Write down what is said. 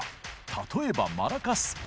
例えばマラカス。